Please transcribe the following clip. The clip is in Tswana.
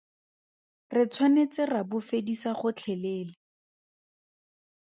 Re tshwanetse ra bo fedisa gotlhelele.